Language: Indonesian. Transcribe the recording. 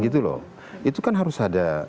gitu loh itu kan harus ada